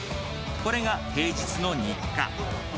これが平日の日課。